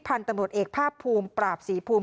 พันธมดเอกพราบภูมิปราบสีภูมิ